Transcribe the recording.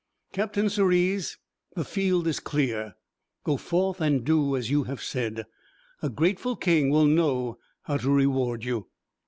Captain Sirius, the field is clear. Go forth and do as you have said. A grateful King will know how to reward you."